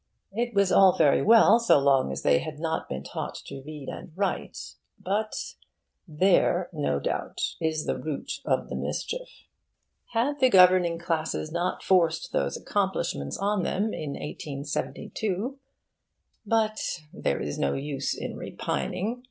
It was all very well so long as they had not been taught to read and write, but There, no doubt, is the root of the mischief. Had the governing classes not forced those accomplishments on them in 1872 But there is no use in repining.